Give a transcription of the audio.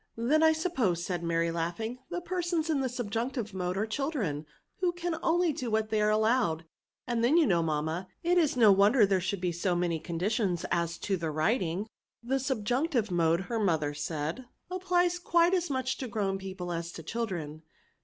" Then I suppose/' said Mary, laughing^ '^ the persons in the subjunctive mode are children^ who can only do what they are al lowed ; and then you know^ mamma^ it is no wonder there should be so many conditions as to their riding." The subjunctive mode/' her mother said, appKes quite as much to grown people as to children.